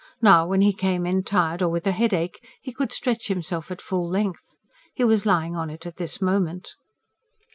Now, when he came in tired or with a headache, he could stretch himself at full length. He was lying on it at this moment.